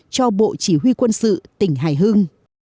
cho bộ chỉ huy quân sự tỉnh hải hưng